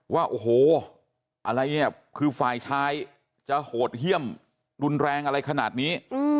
ว่าโอ้โหอะไรเนี่ยคือฝ่ายชายจะโหดเยี่ยมรุนแรงอะไรขนาดนี้